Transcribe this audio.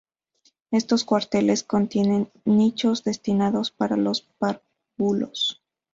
Estos cuarteles contienen nichos destinados para los párvulos.